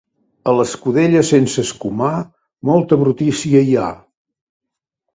A l'escudella sense escumar molta brutícia hi ha.